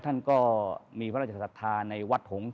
ท่านก็มีพระราชศรัทธาในวัดหงษ